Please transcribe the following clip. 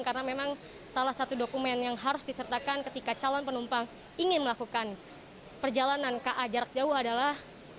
karena memang salah satu dokumen yang harus disertakan ketika calon penumpang ingin melakukan perjalanan ke ajarak jauh adalah